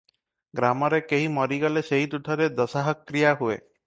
ଗ୍ରାମରେ କେହି ମରିଗଲେ ସେହି ତୁଠରେ ଦଶାହକ୍ରିୟା ହୁଏ ।